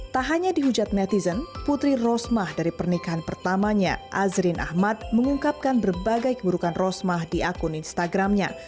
tak hanya dihujat netizen putri rosmah dari pernikahan pertamanya azrin ahmad mengungkapkan berbagai keburukan rosmah di akun instagramnya